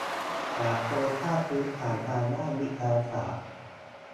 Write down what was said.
จากโครงสร้างพื้นฐานทางด้านวิทยาศาสตร์